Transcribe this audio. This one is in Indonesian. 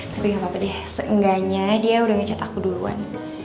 tapi gapapa deh seenggaknya dia udah ngecat aku duluan